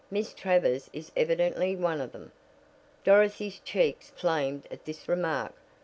Miss Travers is evidently one of them." Dorothy's cheeks flamed at this remark.